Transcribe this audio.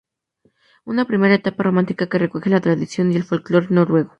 Una primera etapa romántica que recoge la tradición y el folclore noruego.